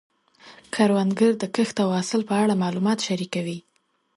کروندګر د کښت او حاصل په اړه معلومات شریکوي